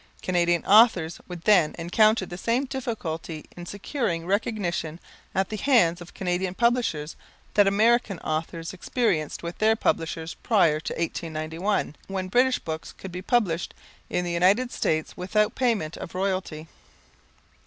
Canadian authors would then encounter the same difficulty in securing recognition at the hands of Canadian publishers that American authors experienced with their publishers prior to 1891, when British books could be published in the United States without payment of royalty.